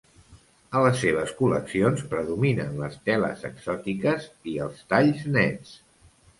A les seves col·leccions predominen les teles exòtiques i els talls nets.